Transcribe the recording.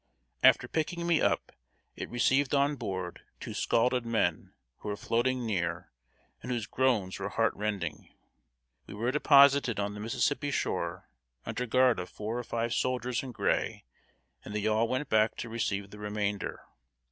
After picking me up, it received on board two scalded men who were floating near, and whose groans were heart rending. We were deposited on the Mississippi shore, under guard of four or five soldiers in gray, and the yawl went back to receive the remainder.